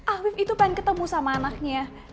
awif itu pengen ketemu sama anaknya